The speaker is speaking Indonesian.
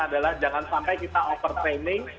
adalah jangan sampai kita overtraining